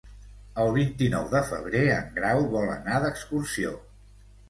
El vint-i-nou de febrer en Grau vol anar d'excursió.